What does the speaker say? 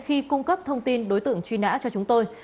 khi cung cấp thông tin đối tượng truy nã cho chúng tôi